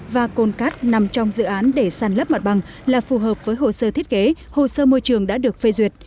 và cồn cát nằm trong dự án để sàn lấp mặt bằng là phù hợp với hồ sơ thiết kế hồ sơ môi trường đã được phê duyệt